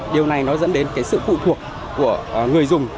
điều này nó dẫn đến cái sự phụ thuộc của người dùng